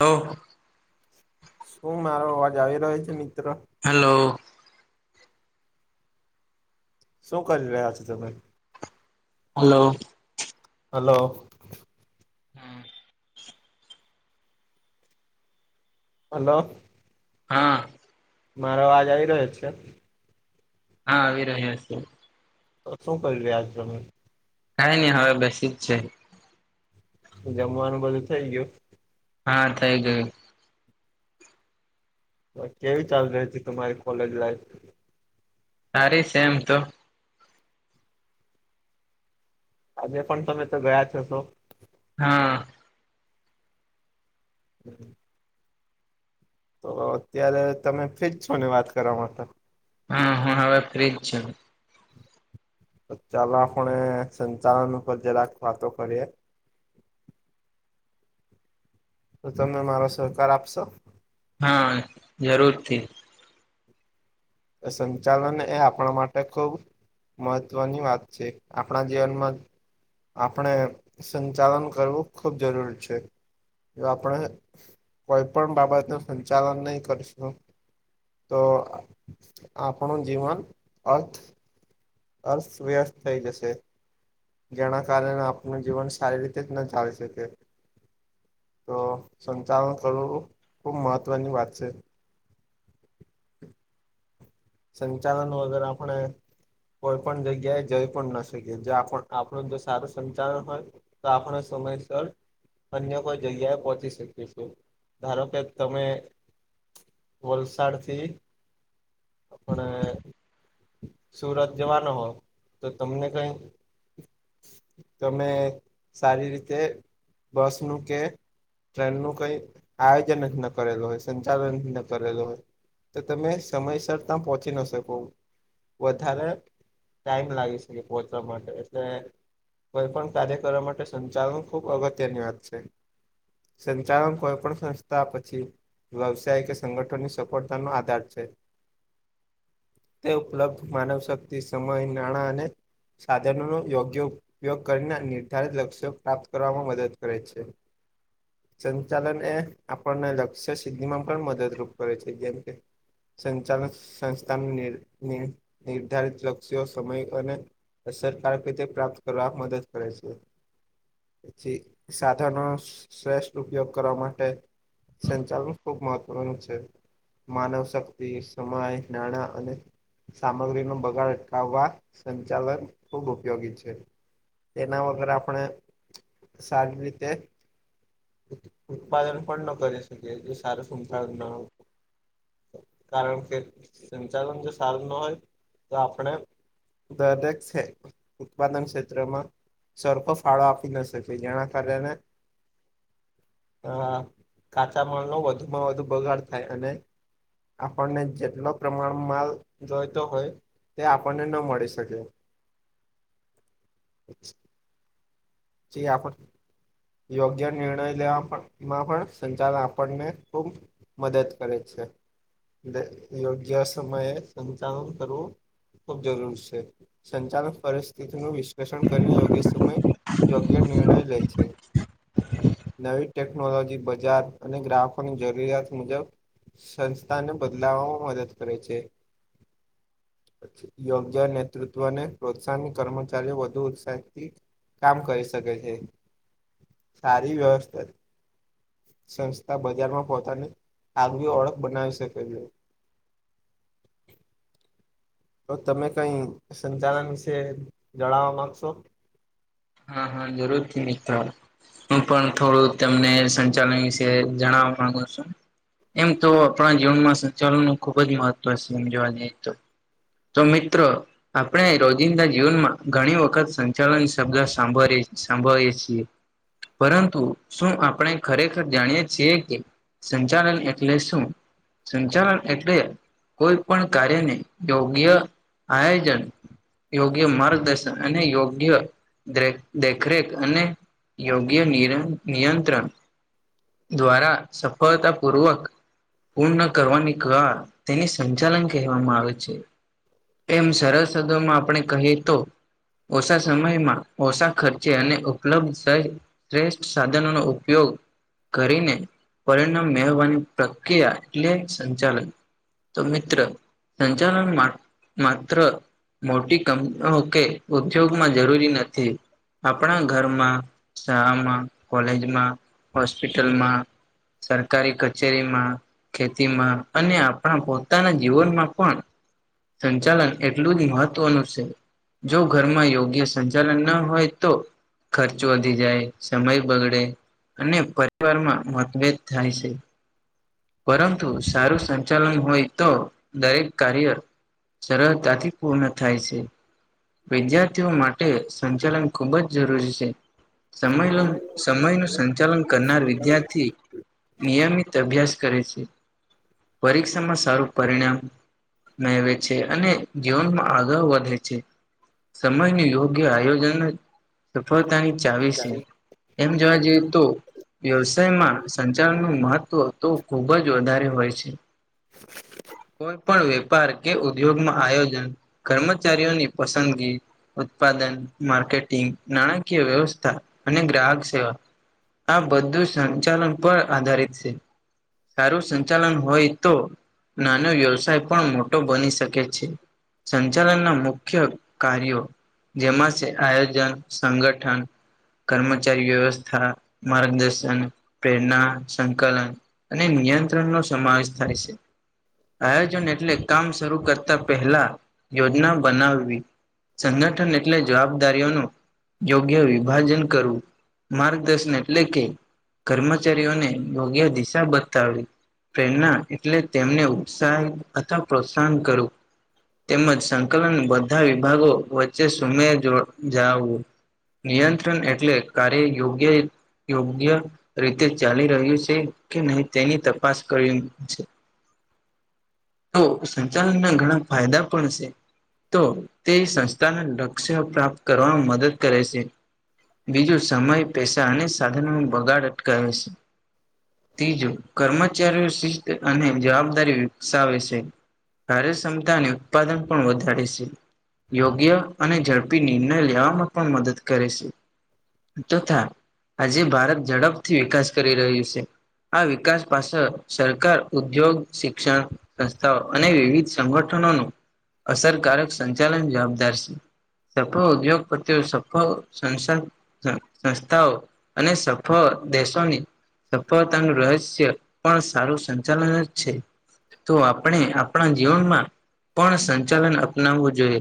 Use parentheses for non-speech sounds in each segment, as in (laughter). હોવ શું મારો અવાજ આવી રહ્યો છે મિત્ર હલો શું કરી રહ્યા છો તમે હલો હલો હા હલો હા મારો અવાજ આવી રહ્યો છે હા આવી રહ્યો છે તો શું કરી રહ્યા છો તમે કાઈ નહી હવે બસ ઈજ છે જમવાનું બધું થઇ ગયું હા થઈ ગયું તો કેવી ચાલી રહી છે તમારી કોલેજ લાઈફ હારી છે એમ તો આજે પણ તમે તો ગયા છ હસો હા (inaudible) તો અત્યારે તમે ફ્રિજ છો ને વાત કરવા માટે હા હ હવે ફ્રીજ છે તો ચાલો આપણે સંચાલન ઉપર જે રાક વાતો કરીએ તો તમે મારો સહકાર આપશો હા જરૂરથી સંચાલન એ આપણા માટે ખુબ મહત્વની વાત છે આપણા જીવનમાં આપણે સંચાલન કરવું ખૂબ જરૂરી છે એ આપણે કોઈ પણ બાબત ન સંચાલન નહી કરીશું તો આપણું જીવન અર્થ અર્થ વ્યસ્થ થઇ જશે જેના કારણે આપણ જીવન સારી રીતે જ ના જાળ શકે. તો સંચાલન કરવું ખૂબ મહત્ત્વની વાત છે. સંચાલન વગેર આપણે કોઈ પણ જગ્યા એ જઈ પણ ના શકે જો આપણું જો સારું સંચાલન હોય તો આપડે સમય સર અન્ય કોઈ જગ્યાએ પહોંચી શકીશું ધારો કે તમે વલસાડ થી આપણે સુરત જવાનો હો તો તમને કઈ તમે સારી રીતે બસ નું કે ટ્રેન નું કઈ આયોજન જ ન કરેલ હોય સંચાલન જ ન કરેલો હોય. તો તમે સમયસર ત્યા પહોંચી ના શકો વધારે ટાઈમ લાગી શકે પહોચવા માટે એટલે કોઈ પણ કાર્ય કરવા માટે સંચાલન ખુબ અગત્યની વાત છે. સંચાલન કોઈ પણ સંસ્થા પછી વ્યવસાય કે સંગઠનની સફળતા નો આધાર છે. તે ઉપલબ્ધ માનવ શક્તિ સમય નાણાં અને સાધનોનો યોગ્ય ઉપયોગ કરીને નિર્ધારિત લક્ષ્ય પ્રાપ્ત કરવામાં મદદ કરે છે. સંચાલન એ આપણને લક્ષ્ય સિદ્ધિ માં પણ મદદરૂપ કરે છે જેમ કે સંચાલન સંસ્થા નિર્ધારિત લક્ષ્યો સમય અને સરકાર ક તે પ્રાપ્ત કરવા મદદ કરે છે. પછી સાધનો શ્રેષ્ઠ ઉપયોગ કરવા માટે સંચાલન ખુબ મહત્વનું છે. માનવ શક્તિ સમમાય નાણાં અને સામગ્રી નો બગાડ અટકાવવા સંચાલન ખૂબ ઉપયોગી છે. તેના વગર આપણે સારી રીતે ઉત્પાદન પણ ન કરી શકે જે સારું સંખાવ ના કારણ કે સંચાલન જો સારું ન હોય તો આપણે દરેક છે ઉત્પાદન ક્ષેત્રમાં સરખો ફાળો આપી ના શકે જેના કારણે હા કાચા માળ નો વધુ માં વધુ બગાડ થાય અને આપણને જેટલો પ્રમાણ માલ જોયતો હોય. તે આપણને ન મળી શકે જ આપ આપ યોગ્ય નિર્ણય લેવામાં પણ સંચાલન આપણને ખૂબ મદદ કરે છે. યોગ્ય સમયે સંચાલન કરવું ખુબ જરૂર છે. સંચાલક પરિસ્થિતિનું વિશ્લેષણ કરીને યોગ્ય સમય યોગ્ય નિર્ણય લે છે. નવી ટેકનોલોજી બજાર અને ગ્રાહકોની જરૂરિયાત મુજબ સંસ્થાને બદલાવામાં મદદ કરે છે. યોગ્ય નેતૃત્વને પ્રોત્સાહન કર્મચારીઓ વધુ ઉત્સાહિતથી કામ કરી શકે છે સારી વ્યવસ્થા સંસ્થા બજારમાં પોહતાની આગવી ઓળખ બનાવી શકે છે. તો તમે કઈ સંચાલન વિશે જણાવવા માંગશો હા હા જરૂર નીતા હો હું પણ થોડું તમને સંચાલન વિશે જણવા માંગુ છુ. એમ તો આપણા જીવનમાં સંચાલન નું ખુબ જ મહત્વ છે, સમજવા જ તો તો મિત્રો આપણે રોજિંદા જીવનમાં ઘણી વખત સંચાલન છે. શબ્દ સાંભળ સાંભળ છીએ પરંતુ શું આપણે ખરેખર જાણીએ છીએ કે સંચાલન એટલે શું સંચાલન એટલે કોઈ પણ કાર્યને યોગ્ય આયોજન યોગ્ય માર્ગદર્શન અને યોગ્ય દેખરેખ અને યોગ્ય નિયંત્રણ દ્વારા સફળતા પૂર્વક પૂર્ણ કરવાની ક તેને સંચાલન કહેવામાં આવે છે. એમ સરસદમાં આપણે કહીએ તો ઓછા સમયમાં ઓછા ખર્ચે અને ઉપલબ્ધ શ્રેષ્ઠ સાધનો નો ઉપયોગ કરીને પરિણામ મેળવવાની પ્રક્રિયા એટલે સંચાલન તો મિત્ર સંચાલન મા માત્ર મોટી કંપનીઓ કે ઉદ્યોગમાં જરૂરી નથી આપણા ઘરમાં શાળામાં કોલેજમાં સ્પિટલમાં સરકારી કચેરીમાં ખેતીમાં અને આપણા પોતાના જીવનમાં પણ સંચાલન એટલું જ મહત્વનું છે જો ઘરમાં યોગ્ય સંચાલન ના હોય તો ખર્ચો વધી જાય સમય બગડે અને પર રિવારમાં મતભેદ થાય છે પરંતુ સારું સંચાલન હોય તો દરેક કાર્ય સરળતાથી પૂર્ણ થાય છે વિદ્યાર્થીઓ માટે સંચાલન ખૂબ જ જરૂરી છે સમયનું સમયનું સંચાલન કરનાર વિદ્યાર્થી નિયમિત અભ્યાસ કરે છે પરીક્ષામાં સારું પરિણામ મેળવે છે અને જીવનમાં આગળ વધે છે સમયનું યોગ્ય આયોજન સફળતાની ચાવી છે એમ જોવા જઈએ તો વ્યવસાયમાં સંચાલનનું મહત્વ તો ખુબ જ વધારે હોય છે કોઈ પણ વેપાર કે ઉદ્યોગમાં આયોજન કર્મચારીઓની પસંદગી ઉત્પાદન માર્કેટિંગ નાણાકીય વ્યવસ્થા અને ગ્રાહક સેવા આ બધું સંચાલન પર આધારિત છે સારું સંચાલન હોય તો નાનો વ્યવસાય પણ મોટો બની શકે છે સંચાલનના મુખ્ય કાર્યો જેમાં છે આયોજન સંગઠન કર્મચારી વ્યવસ્થા માર્ગદર્શન પ્રેરણા સંકલન અને નિયંત્રણ નો સમાવેશ થાય છે આયોજન એટલે કામ શરૂ કરતા પહેલા યોજનાઓ બનાવવી સંગઠન એટલે જવાબદારીઓ નું યોગ્ય વિભાજન કરવું માર્ગદર્શન એટલે કે કર્મચારીઓને યોગ્ય દિશા બતાવી પ્રેરણા એટલે તેમને ઉત્સાહ અથવા પ્રોત્સાહન કરવું તેમજ સંકલન બધા વિભાગો વચ્ચે સુમેળ જો જાળવવું નિયંત્રણ એટલે કાર્ય યોગ્ય યોગ્ય રીતે ચાલી રહ્યું છે કે નહી તેની તપાસ કરી છે તો સંચાલન ના ઘણા ફાયદા પણ છે તો તે સંસ્થાને લક્ષ્ય પ્રાપ્ત કરવાવામાં મદદ કરે છે બીજું સમય પૈસા અને સાધનોનો બગાડ અટકાવે છે ત્રીજું કર્મચારીઓનું શિસ્ત અને જવાબદારી વિકસાવે છે કાર્યક્ષમતા અને ઉત્પાદન પણ વધારે છે યોગ્ય અને ઝડપી નિર્ણય લેવામાં પણ મદદ કરે છે (inaudible) આજે ભારત ઝડપથી વિકાસ કરી રહ્યું છે આ વિકાસ પાછળ સરકાર ઉદ્યોગ શિક્ષણ સંસ્થાઓ અને વિવિધ સંગઠનોનો અસરકારક સંચાલન જવાબદાર છે સફળ ઉદ્યોગપતિઓ સફળ સંસા સંસ્થાઓ અને સફળ દેશોની સફળતાનું રહસ્ય પણ સારું સંચાલન જ છે તો આપણે આપણા જીવનમાં પણ સંચાલન અપનાવવું જોઈએ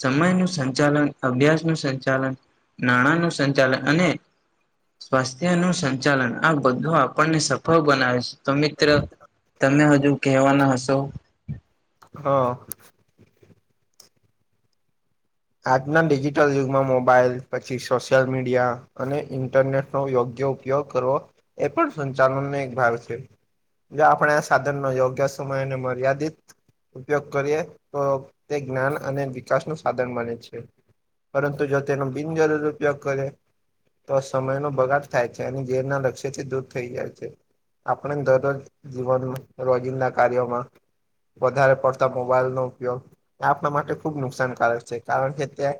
સમય નું સંચાલન અભ્યાસ નું સંચાલન નાણાં નું સંચાલન અને સ્વાસ્થ્ય નું સંચાલન આ બધું આપણને સફળ બનાવે છે તો મિત્ર તમે હજુ કહેવાના હશો (inaudible) આજના ડિજિટલ યુગમાં મોબાઈલ પછી સોશિ્યલ મીડિયા અને ઈન્ટરનેટનો યોગ્ય ઉપયોગ કરવો એ પણ સંચાલનને એક ભાર છે જો આપણે આ સાધનનો યોગ્ય સમયને મર્યાદિત ઉપયોગ કરીએ તો તે જ્ઞાન અને વિકાસ નું છે પરંતુ જો તેનો બિનજરૂર ઉપયોગ કરે તો સમય ન બગાડ થાય છે અને ઝરના લક્ષ્ય થી દૂર થઈ જાય છે આપણે દરરોજ જીવન રોજિંદા કાર્યોમાં વધારે પડતા મોબાઈલ નો ઉપયોગ એ આપણા માટે ખુબ નુકસાનકારક છે કારણ કે ત્યાં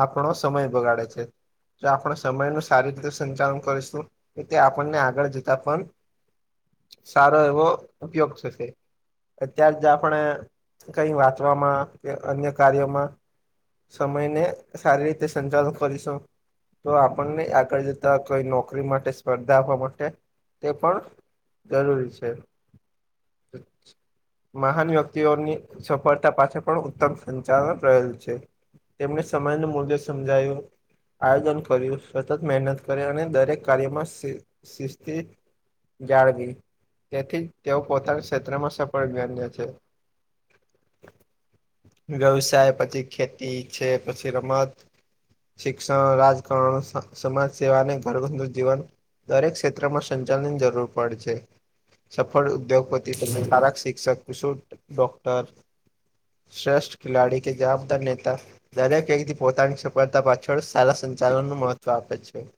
આપણો સમય બગાડે છે જો આપણે સમય ન સારી રીતે સંચાલન કરીશું એ તે આપણને આગળ જતા પણ સારો એવો ઉપયોગ થશે. અતાર જ આપણે કઈ વાંચવામાં કે અન્ય કાર્યોમાં સમય ને સારી રીતે સંચાલન કરીશું. તો આપણને આગળ જતા કોઈ નોકરી માટે સ્પર્ધા આપવા માટે તે પણ જરૂરી છે. મહાન વ્યક્તિઓની સફળતા પાછ પણ ઉત્તમ સંચાલ પ્રયોજ તેમને સમાજ ન મૂલ્ય સમજાયું આયોજન કર્યું સતત મહેનત કરી અને દરેક કાર્યમાંિસ્ જાળવીી તેથી તેઓ પોતાના ક્ષેત્રમાં સફળ બન્યા છે વવ સાાય પતિ ખેતી છે પછી રમત શિક્ષણ રાજકારણ સમાજ સેવા અને ઘણુ જીવન દરેક ક્ષેત્રમાં સંચાલનની જરૂર પડે છે સફળ ઉદ્યોગપતિ તને સારક શિક્ષક કશુ ડોક્ટર શ્રેષ્ઠ ખેલાડી કે જાપ નેતા દરેક વ્યક્તિ પોતાની સફળતા પાછળ સારા સંચાલન નું મહત્વ આપે છે (inaudible) (inaudible)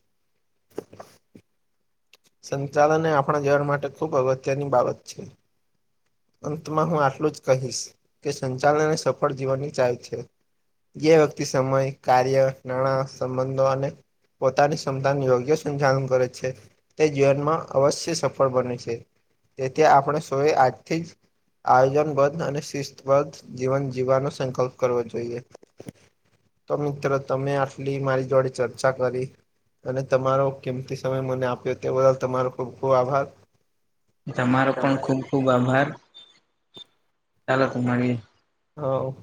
સંચાલન એ આપણા જીવન માટે ખુબ અગત્યની બાબત છે અંતમાં હું આટલું જ કહીશ કે સંચાલનને સફળ જીવાનની ચાય છે જે વ્યક્તિ સમય કાર્ય નાણાં સંબંધો અને પોતાની ક્ષમતા યોગ્ય સંચાલન કરે છે. તે જીવનમાં અવશ્ય સફળ બને છે તેથી આપણે સોએ આજથી જ આયોજનબદ્ધ અને શિસ્તબદ્ધ જીવન જીવવાનો સંકલ્પ કરવો જોઈએ. તો મિત્રો તમે આટલી મારી જોડે ચર્ચા કરી અને તમારો કિમતી સમય મને આપ્યો તે બદલ તમારો ખૂબ ખુબ આભાર. તમારો પણ તમારે ખુબ ખુબ આભાર ચાલો તમારી હવ.